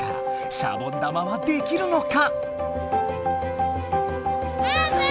シャボン玉はできるのか？